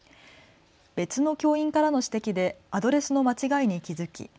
別の教員からの指摘でアドレスの間違いに気付き